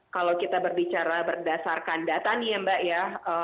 kalau kita berbicara berdasarkan data nih ya mbak ya